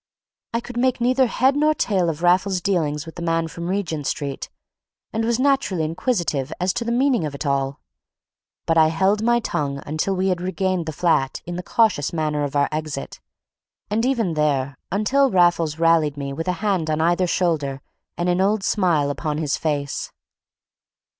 I could make neither head nor tail of Raffles's dealings with the man from Regent Street, and was naturally inquisitive as to the meaning of it all. But I held my tongue until we had regained the flat in the cautious manner of our exit, and even there until Raffles rallied me with a hand on either shoulder and an old smile upon his face.